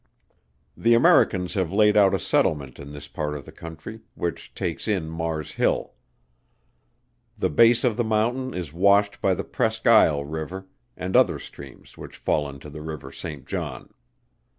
The Americans have laid out a settlement in this part of the country, which takes in Mars Hill. The base of the mountain is washed by the Presque Isle river, and other streams which fall into the river St. John.